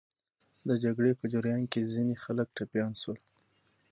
د جګړې په جریان کې ځینې خلک ټپیان سول.